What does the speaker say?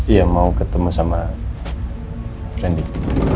iya mau ketemu sama friendi